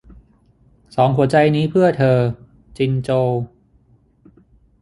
สองหัวใจนี้เพื่อเธอ - จินโจว